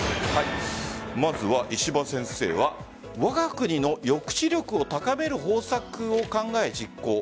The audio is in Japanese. まずは、石破先生はわが国の抑止力を高める方策を考え、実行。